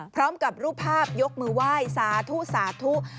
พร้อมกับรูปภาพยกมือไหว้สาธุสาธุ